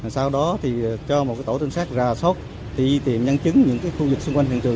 sau đó thì cho một tổ tinh sát ra sót tỷ tiệm nhân chứng những khu vực xung quanh hiện trường